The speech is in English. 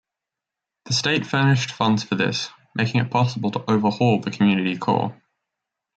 The state furnished funds for this, making it possible to overhaul the community core.